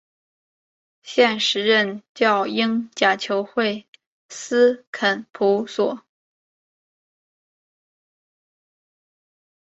现时任教英甲球会斯肯索普。